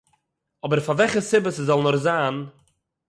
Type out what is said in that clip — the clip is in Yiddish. , אָבער פאַר וועלכער סיבה ס'זאָל נאָר זיין